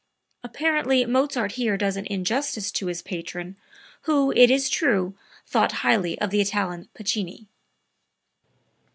Apparently Mozart here does an injustice to his patron, who, it is true, thought highly of the Italian Piccini.)